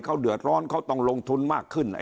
เขาเดือดร้อนเขาต้องลงทุนมากขึ้น